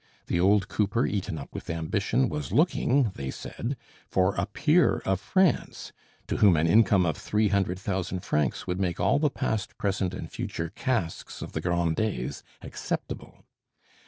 The old cooper, eaten up with ambition, was looking, they said, for a peer of France, to whom an income of three hundred thousand francs would make all the past, present, and future casks of the Grandets acceptable.